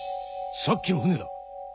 さっきの船だ！